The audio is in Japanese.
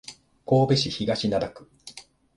神戸市東灘区